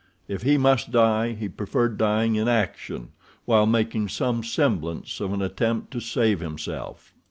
If he must die he preferred dying in action while making some semblance of an attempt to save himself.